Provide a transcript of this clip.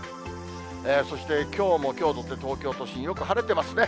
そしてきょうもきょうとて、東京都心、よく晴れてますね。